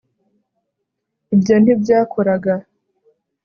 ibyo ntibyakoraga